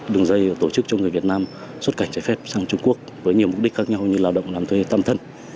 đường dây tổ chức cho người việt nam xuất cảnh trái phép sang trung quốc với nhiều mục đích khác nhau như lao động làm thuê tâm thân